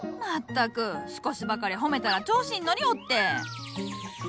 全く少しばかり褒めたら調子に乗りおって！